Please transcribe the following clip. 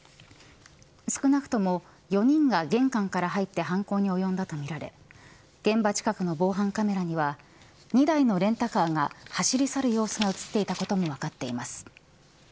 少なくとも４人が玄関から入って犯行に及んだとみられ現場近くの防犯カメラには２台のレンタカーが走り去る様子が映っていたことも分かっています。